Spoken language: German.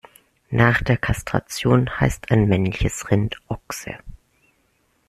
Nach der Kastration heißt ein männliches Rind Ochse.